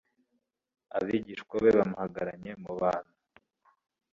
abigishwa be bamuhagaranye mu bantu,